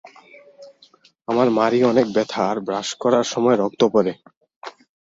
আমার মাড়ি অনেক ব্যথা আর ব্রাশ করার সময় রক্ত পরে।